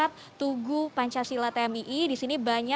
rizky bisa dilihat di belakang saya